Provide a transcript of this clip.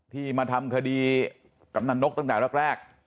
ที่มาทำคดีกำนันนกตั้งแต่แรก